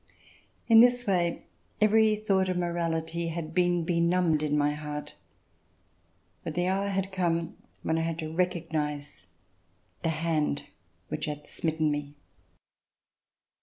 In this way every thought of morality had been benumbed in my heart, but the hour had come when I had to recognize the hand which had smitten me.